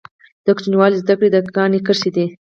د کوچنیوالي زده کړي د کاڼي کرښي دي.